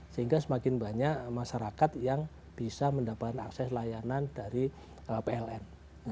sehingga semakin banyak masyarakat yang bisa mendapatkan akses layanan dari pln